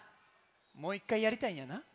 もう１かいやりたいんやな。